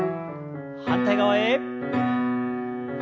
反対側へ。